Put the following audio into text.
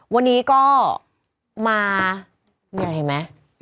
วันนี้ก็มาเนี่ยเห็นไหม